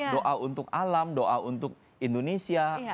doa untuk alam doa untuk indonesia